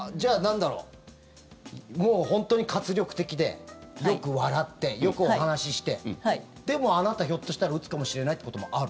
本当に活力的でよく笑って、よくお話ししてでも、あなたひょっとしたらうつかもしれないこともある？